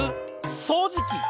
「そうじき」！